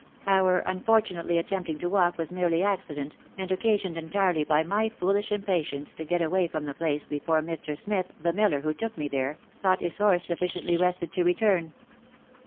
Our un fortunately attempting to walk was merely accident, and occasioned entirely by my foolish impatience to get away from the place before Mr. Smith, the miller, who took me there, thought his horse sufficiently rested to return.